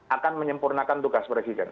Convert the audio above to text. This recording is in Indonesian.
akan menyempurnakan tugas presiden